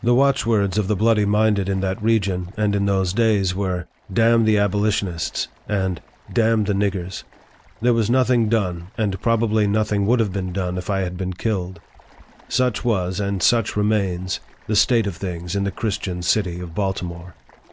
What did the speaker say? The watchwords of the bloody minded in that region, and in those days, were, " Damn the abolitionists !" and " Damn the niggers !" There was nothing done, and probably nothing would have been done if I had been killed. Such was, and such remains, the state of things in the Christian city of Baltimore.